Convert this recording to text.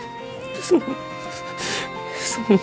そそんな。